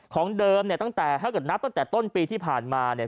ของเดิมเนี่ยตั้งแต่ถ้าเกิดนับตั้งแต่ต้นปีที่ผ่านมาเนี่ย